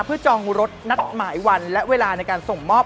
เพื่อจองรถนัดหมายวันและเวลาในการส่งมอบ